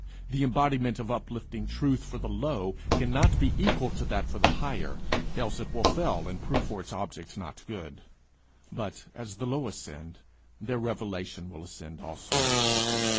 The embodiment of uplifting truth for the low, cannot be equal to that for the higher, else it will fail, and prove for its object not good; but, as the low ascend, their revelation will ascend also.